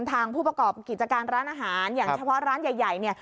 ทางผู้ประกอบกิจการร้านอาหารอย่างเฉพาะร้านใหญ่เนี่ย